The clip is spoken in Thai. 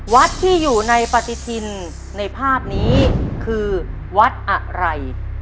วัดที่อยู่ในปฏิทินในภาพนี้คือวัดอะไร